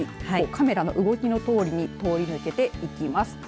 カメラの動きのとおりに通り抜けていきます。